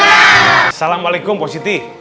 assalamualaikum pak siti